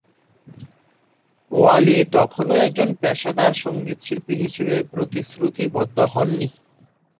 ওয়ালি তখনও একজন পেশাদার সংগীতশিল্পী হিসাবে প্রতিশ্রুতিবদ্ধ হননি।